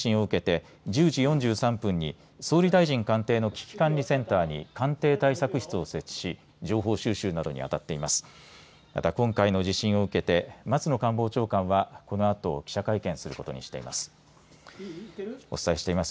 政府は先ほど地震を受けて１０時４３分に総理大臣官邸の危機管理センターに官邸対策室を設置し情報収集などにあたっています。